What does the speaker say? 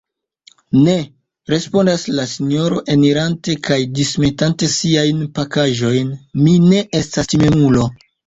Ne, respondas la sinjoro, enirante kaj dismetante siajn pakaĵojn, mi ne estas timemulo!